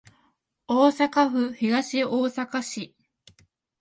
大阪府東大阪市